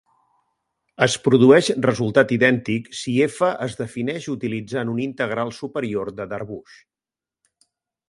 Es produeix resultat idèntic si "F" es defineix utilitzant un integral superior de Darboux.